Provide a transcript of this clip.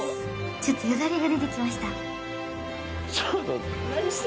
ちょっとよだれが出てきました